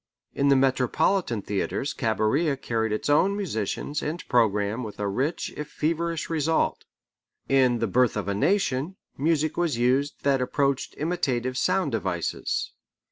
In the metropolitan theatres Cabiria carried its own musicians and programme with a rich if feverish result. In The Birth of a Nation, music was used that approached imitative sound devices.